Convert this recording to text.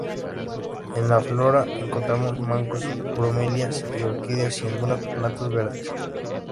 En la flora encontramos musgos, bromelias y orquídeas y algunas plantas variadas.